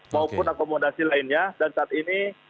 maupun akomodasi lainnya dan saat ini